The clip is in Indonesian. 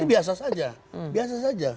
itu biasa saja